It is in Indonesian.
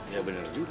ya bener juga